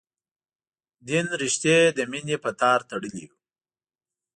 دین رشتې د مینې په تار تړلي یو.